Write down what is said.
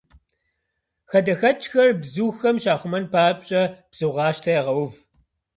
Хадэхэкӏхэр бзухэм щахъумэн папщӏэ, бзугъащтэ ягъэув.